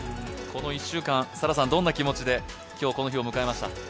この１週間、沙良さん、どんな気持ちでこの日を迎えました？